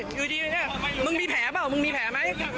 อยู่ดีเนี่ยมึงมีแผลเปล่ามึงมีแผลไหม